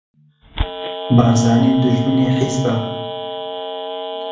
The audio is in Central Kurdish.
بارزانی دوژمنی حیزبە